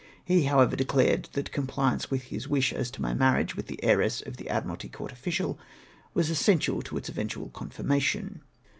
He, however declared, that compliance with his wisli as to my marriage with the heiress of tlie Admiralty Court official was essential to its eventual confirmation.